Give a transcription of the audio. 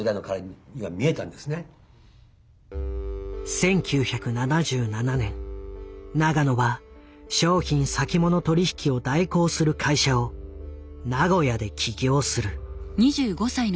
１９７７年永野は商品先物取引を代行する会社を名古屋で起業する。